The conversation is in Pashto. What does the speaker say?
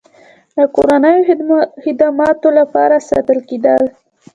د کورنیو خدماتو لپاره ساتل کېدل.